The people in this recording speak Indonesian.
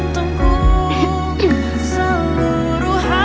kau kan mengerti